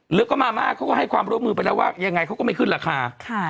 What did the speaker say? แล้วก็มาม่าเขาก็ให้ความร่วมมือไปแล้วว่ายังไงเขาก็ไม่ขึ้นราคา